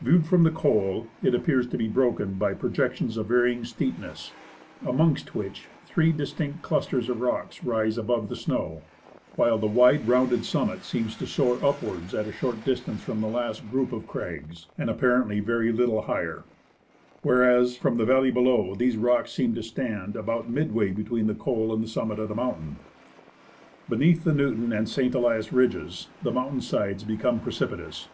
Viewed from the col, it appears to be broken by projections of varying steepness, amongst which three distinct clusters of rocks rise above the snow ; while the wide, rounded summit seems to soar 149 THE ASCENT OF MOUNT ST. ELIAS upwards at a short distance from the last group of crags, and apparently very little higher ; whereas, from the valley below, these rocks seemed to stand, about midway between the col and the summit of the mountain. Beneath the Newton and St. Elias ridges the mountain sides become precipitous.